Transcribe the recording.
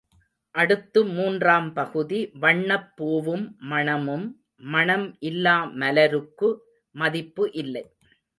அடுத்து மூன்றாம் பகுதி வண்ணப் பூவும் மணமும் மணம் இல்லா மலருக்கு மதிப்பு இல்லை.